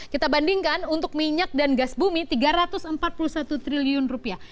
kita bandingkan untuk minyak dan gas bumi tiga ratus empat puluh satu triliun rupiah